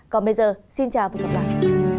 còn bây giờ xin chào và hẹn gặp lại